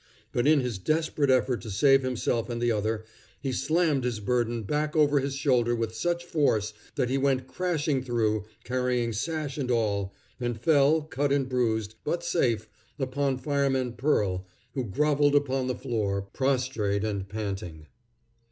But in his desperate effort to save himself and the other, he slammed his burden back over his shoulder with such force that he went crashing through, carrying sash and all, and fell, cut and bruised, but safe, upon Fireman Pearl, who groveled upon the floor, prostrate and panting.